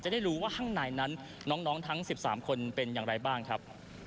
ได้รู้ว่าข้างในนั้นน้องทั้ง๑๓คนเป็นอย่างไรบ้างครับ